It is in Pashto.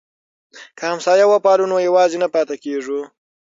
که همسایه وپالو نو یوازې نه پاتې کیږو.